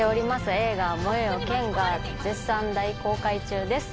映画『燃えよ剣』が絶賛大公開中です。